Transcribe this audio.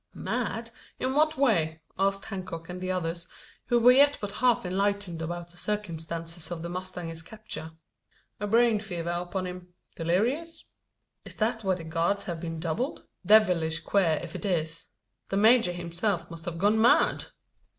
"Mad! In what way?" asked Hancock and the others, who were yet but half enlightened about the circumstances of the mustanger's capture. "A brain fever upon him delirious?" "Is that why the guards have been doubled? Devilish queer if it is. The major himself must have gone mad!"